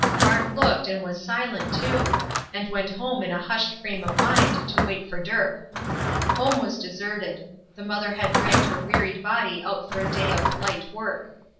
Mart looked, and was silent, too; and went home in a hushed frame of mind to wait for Dirk. Home was deserted. The mother had dragged her wearied body out for a day of "light" work.